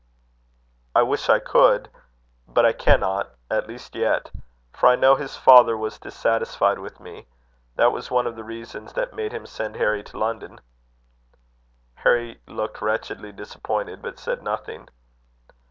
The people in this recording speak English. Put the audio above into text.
"I wish I could. But I cannot at least yet; for I know his father was dissatisfied with me. That was one of the reasons that made him send Harry to London." Harry looked wretchedly disappointed, but said nothing.